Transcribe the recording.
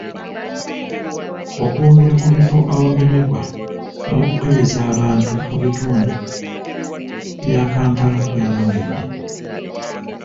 Okwongera ku bifo awagemebwa n'okukebeza abantu mu bitundu bya Kampala kweyongedde.